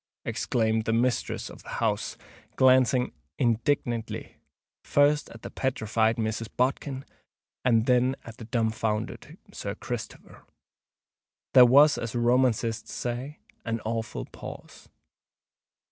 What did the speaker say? exclaimed the mistress of the house, glancing indignantly, first at the petrified Mrs. Bodkin and then at the dumb founded Sir Christopher. There was, as romancists say, an awful pause.